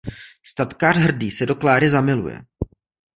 Statkář Hrdý se do Kláry zamiluje.